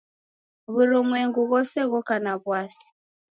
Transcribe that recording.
W'urumwengu ghose ghoka na w'asi.